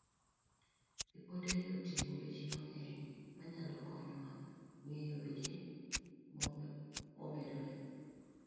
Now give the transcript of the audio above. Ripodegi oting'o weche mang'eny manyalo konyowa ng'eyo weche momedore.